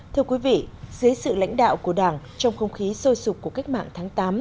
thưa quý vị dưới sự lãnh đạo của đảng trong không khí sôi sụp của cách mạng tháng tám